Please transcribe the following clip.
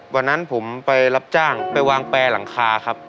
วันนั้นผมไปรับจ้างไปวางแปรหลังคาครับ